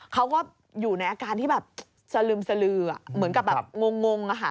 เขาก็อยู่ในอาการที่แบบสลึมสลือเหมือนกับแบบงง